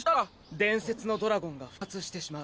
伝説のドラゴンが復活してしまう。